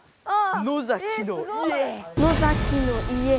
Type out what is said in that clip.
「野崎の家」！